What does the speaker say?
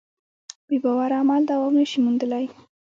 بېباوره عمل دوام نهشي موندلی.